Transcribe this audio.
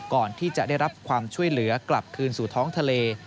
ก่อนที่จะได้รับความช่วยเหลือกลับคืนสู่ท้องทะเล